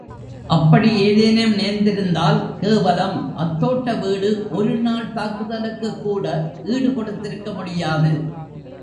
அப்படி ஏதேனும் நேர்ந்திருந்தால், கேவலம் அத்தோட்ட வீடு ஒரு நாள் தாக்குதலுக்குக் கூட ஈடு கொடுத்திருக்க முடியாது.